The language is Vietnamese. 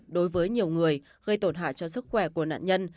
đối với nhiều người gây tổn hại cho sức khỏe của nạn nhân